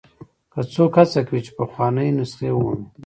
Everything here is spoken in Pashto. که څوک هڅه کوي چې پخوانۍ نسخې ومومي.